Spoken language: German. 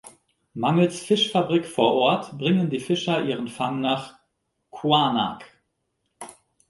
Mangels Fischfabrik vor Ort bringen die Fischer ihren Fang nach Qaanaaq.